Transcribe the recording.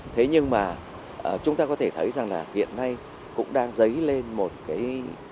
thế nhưng mà chúng ta có thể thấy rằng là hiện nay cũng đang dấy lên một cái